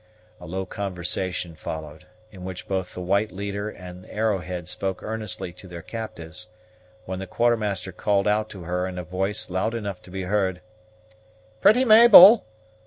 A low conversation followed, in which both the white leader and Arrowhead spoke earnestly to their captives, when the Quartermaster called out to her in a voice loud enough to be heard. "Pretty Mabel!